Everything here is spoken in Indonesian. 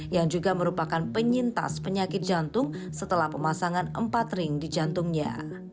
yang juga merupakan penyintas penyakit jantung setelah pemasangan empat ring di jantungnya